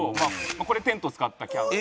これテントを使ったキャンプ。